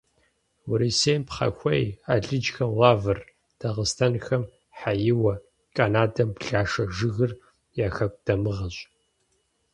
Урысейм пхъэхуей, алыджхэм лавр, дагъыстэнхэм хьэиуэ, канадэм блашэ жыгыр я хэку дамыгъэщ.